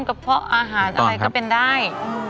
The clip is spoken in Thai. เพาะอาหารอะไรก็เป็นได้